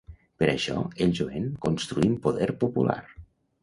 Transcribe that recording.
Per això, el jovent construïm poder popular.